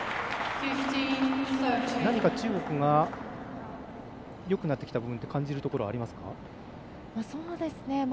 何かよくなってきた部分を感じたところ中国、ありますか？